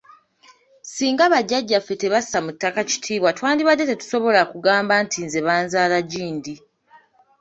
Singa bajjajjaffe tebassa mu ttaka kitiibwa twandibadde tetusobola kugamba nti nze banzaala gindi.